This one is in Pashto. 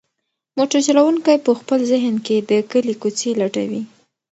موټر چلونکی په خپل ذهن کې د کلي کوڅې لټوي.